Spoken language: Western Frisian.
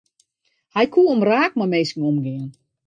Hy koe omraak mei minsken omgean.